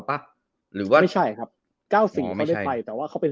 ป่ะหรือว่าไม่ใช่ครับเก้าสี่เขาได้ไปแต่ว่าเขาเป็น